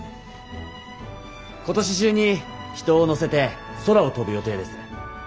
今年中に人を乗せて空を飛ぶ予定です。